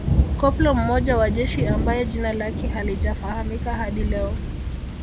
Koplo mmoja wa jeshi ambaye jina lake halijafahamika hadi leo